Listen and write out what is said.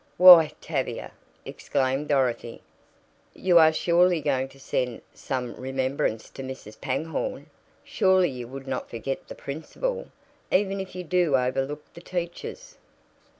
"Why, Tavia!" exclaimed Dorothy. "You are surely going to send some remembrance to Mrs. Pangborn! Surely you would not forget the principal, even if you do overlook the teachers."